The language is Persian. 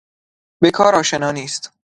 به کار آشنا نیست.